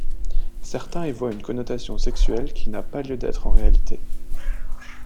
Certains y voient une connotation sexuelle qui n'a pas lieu d'être en réalité.